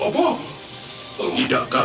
kau tak mau